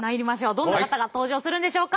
どんな方が登場するんでしょうか？